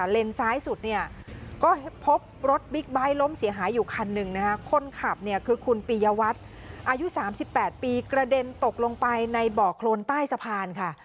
เลนสายสุดก็พบรถบิ๊กไบท์ล้มเสียหายอยู่คันหนึ่งคนขับคือคุณปียวัตอายุ๓๘ปีกระเด็นตกลงไปในเบาะโครนใต้สะพาน